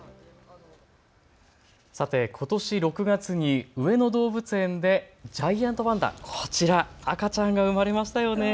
さて、ことし６月に上野動物園でジャイアントパンダ、こちら赤ちゃんが生まれましたよね。